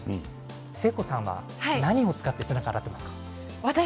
誠子さんは何を使って背中を洗っていますか？